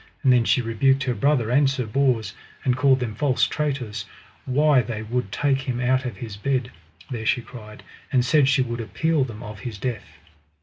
And then she rebuked her brother and Sir Bors, and called them false traitors, why they would take him out of his bed; there she cried, and said she would appeal them of his death.